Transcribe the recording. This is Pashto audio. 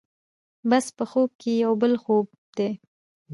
بس په خوب کې یو بل خوب دی.